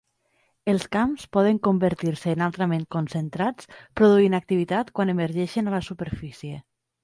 Els camps poden convertir-se en altament concentrats, produint activitat quan emergeixen a la superfície.